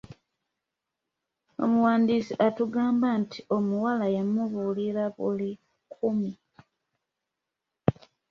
Omuwandiisi atugamba nti omuwala yamubuulira buli kumi.